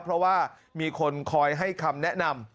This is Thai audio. เพราะว่ามีคนคอยให้คำแนะนำ